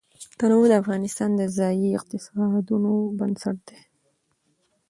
تنوع د افغانستان د ځایي اقتصادونو بنسټ دی.